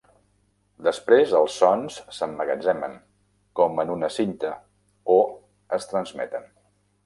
Després, els sons s'emmagatzemen, com en una cinta, o es transmeten.